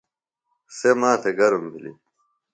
سےۡ ماتھےۡ گرم بِھلیۡ۔